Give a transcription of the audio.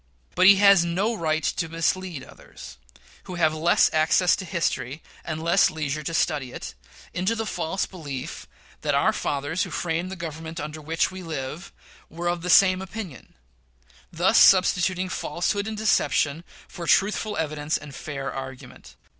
But he has no right to mislead others who have less access to history, and less leisure to study it, into the false belief that "our fathers who framed the Government under which we live" were of the same opinion thus substituting falsehood and deception for truthful evidence and fair argument.